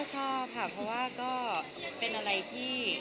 ชอบค่ะเพราะว่าก็เป็นอะไรที่